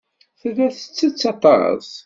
Tella tettett aṭas.